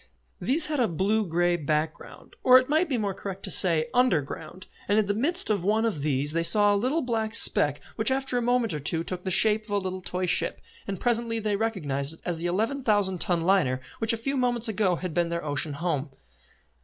These had a blue grey background, or it might be more correct to say under ground, and in the midst of one of these they saw a little black speck which after a moment or two took the shape of a little toy ship, and presently they recognised it as the eleven thousand ton liner which a few moments ago had been their ocean home.